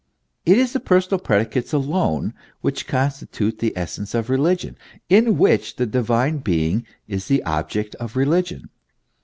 It is the personal predicates alone which con stitute the essence of religion in which the Divine Being is the object of religion.